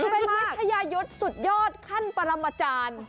ไปวิทยายุทธ์สุดยอดคั่นปรามจาร